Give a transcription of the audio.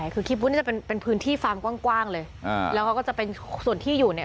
คือคลิปวุ้นนี่จะเป็นพื้นที่ฟาร์มกว้างเลยแล้วเขาก็จะเป็นส่วนที่อยู่เนี่ย